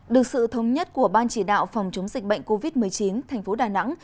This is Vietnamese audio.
được sự thống nhất của ban chỉ đạo phòng chống dịch bệnh covid một mươi chín thành phố đà nẵng